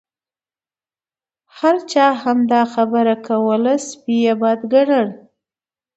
هر چا همدا خبره کوله سپي یې بد ګڼل.